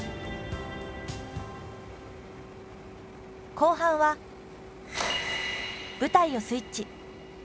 後半は舞台をスイッチ。